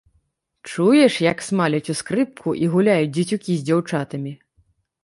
Чуеш, як смаляць у скрыпку і гуляюць дзецюкі з дзяўчатамі?